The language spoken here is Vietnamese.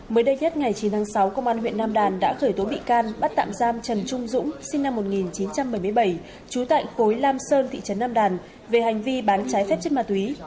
mới đây nhất ngày chín tháng sáu công an huyện nam đàn đã khởi tố bị can bắt tạm giam trần trung dũng sinh năm một nghìn chín trăm bảy mươi bảy trú tại khối lam sơn thị trấn nam đàn về hành vi bán trái phép chất ma túy